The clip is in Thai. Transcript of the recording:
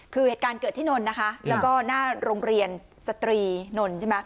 คือเหตุการณ์เกิดที่นนท์นะคะแล้วก็หน้าโรงเรียนสตรีนนท์ใช่ไหม